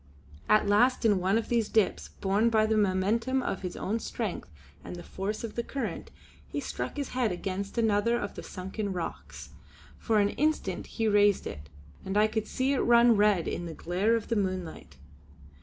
At last in one of these dips, borne by the momentum of his own strength and the force of the current, he struck his head against another of the sunken rocks. For an instant he raised it, and I could see it run red in the glare of the moonlight.